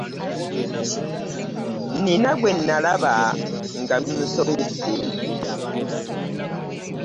Nnina gwe nalaba nga bimusobedde!